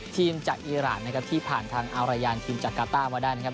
ทีมจากอีรานนะครับที่ผ่านทางอารยานทีมจากกาต้ามาได้นะครับ